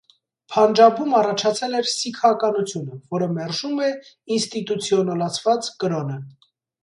Փանջաբում առաջացել էր սիկհականությունը, որը մերժում էև ինստիտուցիոնալացված կրոնը։